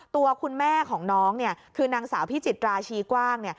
ตัวคุณแม่ของน้องคือนางสาวพิจิตราชีกว้าง